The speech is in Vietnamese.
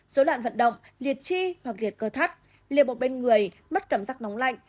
dấu loạn vận động liệt chi hoặc liệt cơ thắt liệt bộ bên người mất cảm giác nóng lạnh